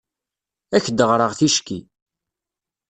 Ad ak-d-ɣreɣ ticki.